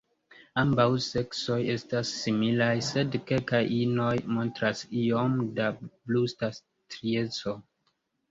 Ambaŭ seksoj estas similaj, sed kelkaj inoj montras iom da brusta strieco.